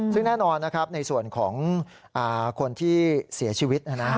ซึ่งแน่นอนนะครับในส่วนของคนที่เสียชีวิต